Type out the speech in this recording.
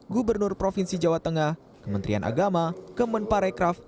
gubernur provinsi jawa tengah kementerian agama kemenparekraf